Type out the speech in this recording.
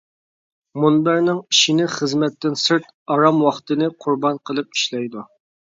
مۇنبەرنىڭ ئىشىنى خىزمەتتىن سىرت، ئارام ۋاقتىنى قۇربان قىلىپ ئىشلەيدۇ.